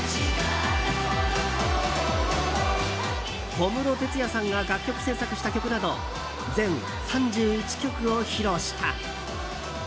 小室哲哉さんが楽曲制作した曲など全３１曲を披露した。